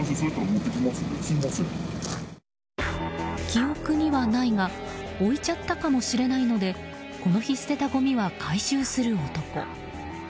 記憶にはないが置いちゃったかもしれないのでこの日、捨てたごみは回収する男。